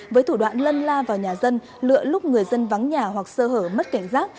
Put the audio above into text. với thủ đoạn lân la vào nhà dân lựa lúc người dân vắng nhà hoặc sơ hở mất cảnh giác